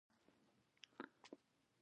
دا اومه مواد باید په داسې توکو بدل شي